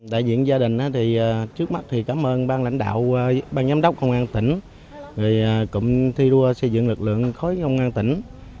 đại diện gia đình trước mắt thì cảm ơn bang lãnh đạo bang giám đốc công an tỉnh cụm thi đua xây dựng lực lượng khối công an tỉnh